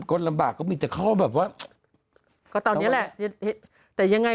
เขาก็มีปัญหานะ